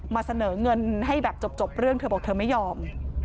มาเสนอเงินให้แบบจบเรื่องเธอบอกเธอไม่ยอม